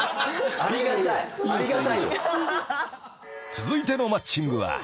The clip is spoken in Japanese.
［続いてのマッチングは］